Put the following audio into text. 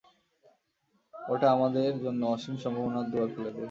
ওটা আমাদের জন্য অসীম সম্ভাবনার দুয়ার খুলে দেয়।